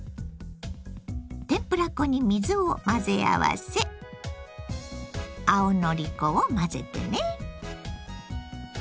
天ぷら粉に水を混ぜ合わせ青のり粉を混ぜてね。